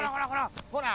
ほら！